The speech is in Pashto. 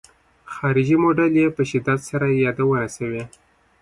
خارجي موډل یې په شدت سره یادونه شوې.